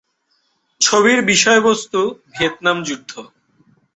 ছবির বিষয়বস্তু ভিয়েতনাম যুদ্ধ।